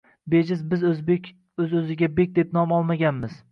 Bejiz biz o‘zbek – o‘z-o‘ziga bek deb nom olmaganmiz